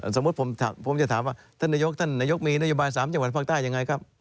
สมมุติผมจะถามว่าท่านนายกท่านนายกมีนโยบาย๓จังหวัดภาคใต้ยังไงครับ